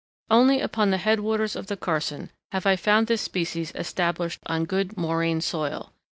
Only upon the head waters of the Carson have I found this species established on good moraine soil.